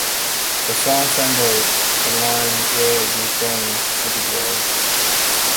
The song samples the line Where are you goin' city boy?